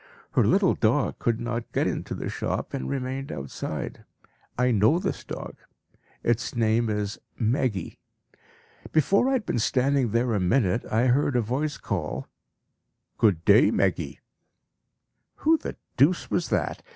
Her little dog could not get into the shop, and remained outside. I know this dog; its name is "Meggy." Before I had been standing there a minute, I heard a voice call, "Good day, Meggy!" Who the deuce was that?